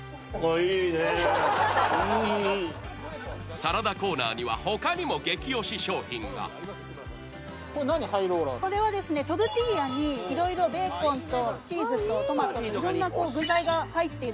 サラダコーナーには他にも激推し商品がこれはトルティーヤにベーコンとチーズとトマトといろんな具材が入ってる。